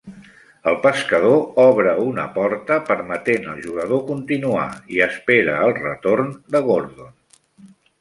El pescador obre una porta, permetent al jugador continuar, i espera el retorn de Gordon.